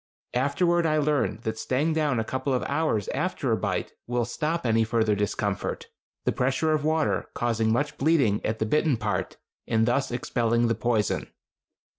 Afterward I learned that staying down a couple of hours after a bite will stop any further discomfort, the pressure of water causing much bleeding at the bitten part, and thus expelling the poison.